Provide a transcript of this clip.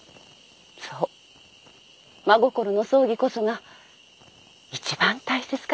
そう真心の葬儀こそが一番大切かと思われます。